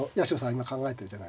今考えてるじゃないですか。